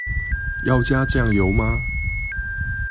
要加醬油嗎？